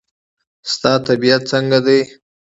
ستا طبیعت څنګه دی؟